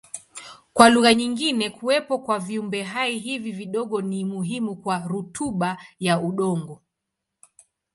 Kwa lugha nyingine kuwepo kwa viumbehai hivi vidogo ni muhimu kwa rutuba ya udongo.